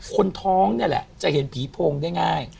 คนท้องนี่แหละจะเห็นผีโพงได้ง่าย